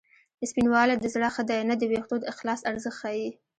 سپینوالی د زړه ښه دی نه د وېښتو د اخلاص ارزښت ښيي